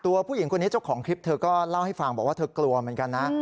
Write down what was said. ผู้หญิงคนนี้เจ้าของคลิปเธอก็เล่าให้ฟังบอกว่าเธอกลัวเหมือนกันนะ